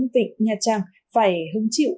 vịnh nhà trang phải hứng chịu